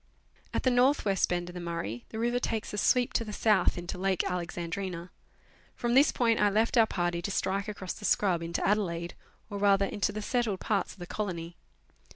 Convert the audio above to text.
At the north west bend of the Murray, the river takes a sweep to the south into Lake Alexandrina. From this point I left our party to strike across the scrub into Adelaide, or rather into the settled parts of the colony.